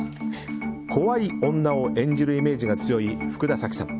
怖い女を演じるイメージが強い福田沙紀さん。